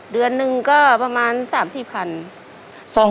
เดือนหนึ่งก็ประมาณ๓๔พัน